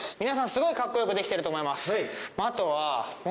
皆さんすごいかっこよくできてると思います。